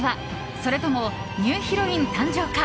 それともニューヒロイン誕生か？